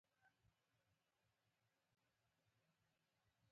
• ریښتینی سړی هر چاته صداقت ښيي.